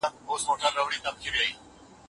محیط ستاسو په فکر اغېز لري.